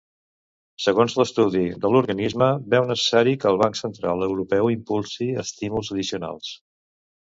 Segons l'estudi de l'organisme, veu necessari que el Banc Central Europeu impulsi estímuls addicionals.